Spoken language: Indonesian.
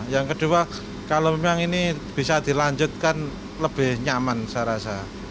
yang kedua kalau memang ini bisa dilanjutkan lebih nyaman saya rasa